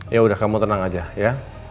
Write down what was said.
ya udah kamu tenang aja ya